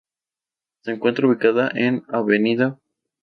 Se encuentra ubicada en Av.